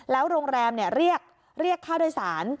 แล้วโรงแรมเรียกค่าโดยสาร